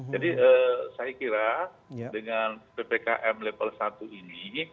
jadi saya kira dengan ppkm level satu ini